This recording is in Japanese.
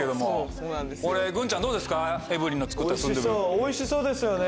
おいしそうですよね。